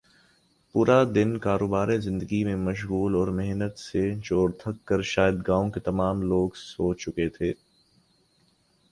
پورا دن کاروبار زندگی میں مشغول اور محنت سے چور تھک کر شاید گاؤں کے تمام لوگ سو چکے تھے